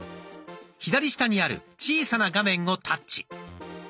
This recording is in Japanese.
左下にある小さな画面をタッチ。